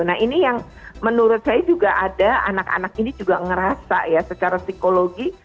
nah ini yang menurut saya juga ada anak anak ini juga ngerasa ya secara psikologi